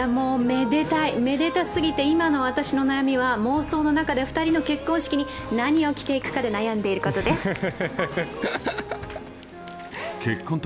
めでたい、めでたすぎて今の私の悩みは妄想の中で２人の結婚式に何を着ていくかで悩んでいることです。